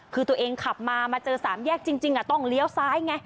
คือตัวเองขับมามาเจอสามแยกจริงต้องเลี้ยวซ้ายไง